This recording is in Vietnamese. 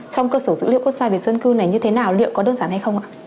trong cơ sở dữ liệu quốc gia về dân cư này như thế nào liệu có đơn giản hay không ạ